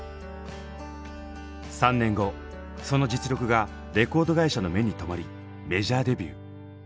３年後その実力がレコード会社の目に留まりメジャーデビュー。